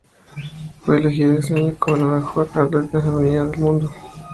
Fue elegida ese año como la mejor atleta femenina del mundo.